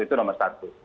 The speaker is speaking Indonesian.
itu nomor satu